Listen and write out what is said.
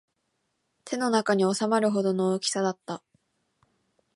手の中に収まるほどの大きさだった